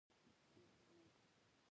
له یوې کارګرې مېرمنې مې هیله وکړه.